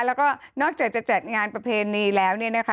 แล้วก็นอกจากจะจัดงานประเพณีแล้วเนี่ยนะคะ